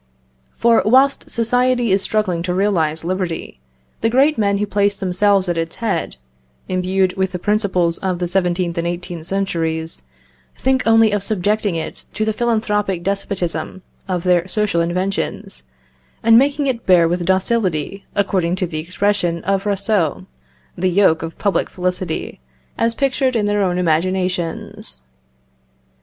For whilst society is struggling to realise liberty, the great men who place themselves at its head, imbued with the principles of the seventeenth and eighteenth centuries, think only of subjecting it to the philanthropic despotism of their social inventions, and making it bear with docility, according to the expression of Rousseau, the yoke of public felicity, as pictured in their own imaginations.